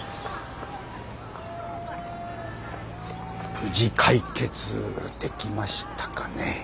無事解決できましたかね？